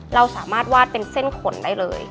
เราสามารถวาดเป็นเส้นขนได้เลย